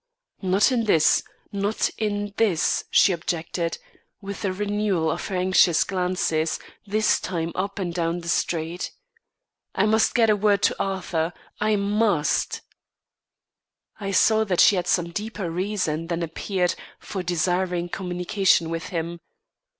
"Not in this, not in this," she objected, with a renewal of her anxious glances, this time up and down the street. "I must get a word to Arthur. I must." I saw that she had some deeper reason than appeared, for desiring communication with him.